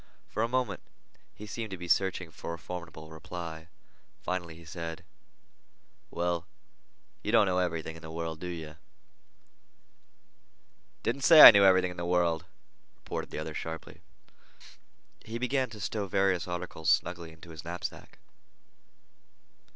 For a moment he seemed to be searching for a formidable reply. Finally he said: "Well, you don't know everything in the world, do you?" "Didn't say I knew everything in the world," retorted the other sharply. He began to stow various articles snugly into his knapsack.